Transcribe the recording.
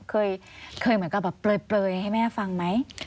เคยเหมือนกับแบบเปลยให้แม่ฟังไหม